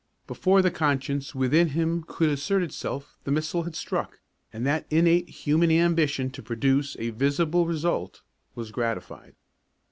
Before the conscience within him could assert itself the missile had struck; and that innate human ambition to produce a visible result was gratified.